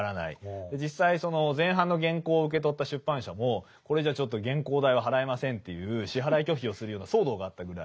実際その前半の原稿を受け取った出版社もこれじゃちょっと原稿代は払えませんっていう支払い拒否をするような騒動があったぐらい。